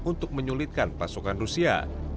untuk menyulitkan pasukan rusia